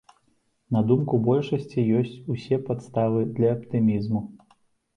На думку большасці, ёсць усе падставы для аптымізму.